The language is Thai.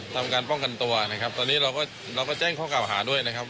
ทำการป้องกันตัวนะครับตอนนี้เราก็เราก็แจ้งข้อกล่าวหาด้วยนะครับ